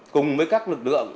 cùng với các lực lượng